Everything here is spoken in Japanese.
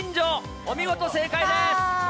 お見事、正解です。